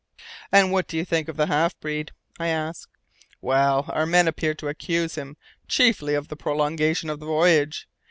"And what do you think of the half breed?" I asked. "Well, our men appear to accuse him chiefly of the prolongation of the voyage.